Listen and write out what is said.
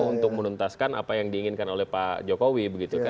untuk menuntaskan apa yang diinginkan oleh pak jokowi